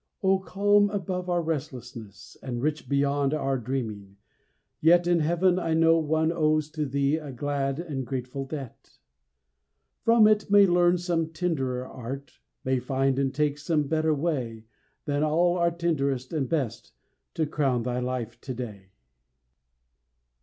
Oh, calm above our restlessness, And rich beyond our dreaming, yet In heaven, I know, one owes to thee A glad and grateful debt. From it may learn some tenderer art, May find and take some better way Than all our tenderest and best, To crown thy life to day.